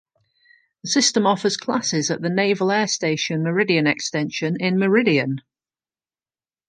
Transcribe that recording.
The system offers classes at the Naval Air Station Meridian Extension in Meridian.